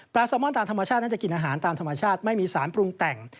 แซลมอนตามธรรมชาตินั้นจะกินอาหารตามธรรมชาติไม่มีสารปรุงแต่ง